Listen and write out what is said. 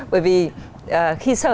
bởi vì khi sở